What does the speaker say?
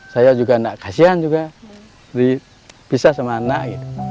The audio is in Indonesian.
saya juga nggak kasihan juga dibisah sama anak